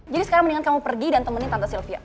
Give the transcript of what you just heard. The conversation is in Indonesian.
jadi sekarang mendingan kamu pergi dan temenin tante sylvia